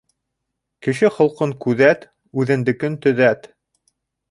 Кеше холҡон күҙәт, үҙендекен төҙәт.